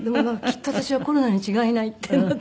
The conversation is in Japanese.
きっと私はコロナに違いないってなって。